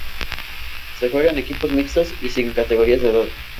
Se juega en equipos mixtos y sin categorías de edad.